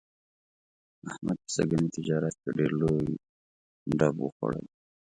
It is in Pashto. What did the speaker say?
احمد په سږني تجارت کې ډېر لوی ډب وخوړلو.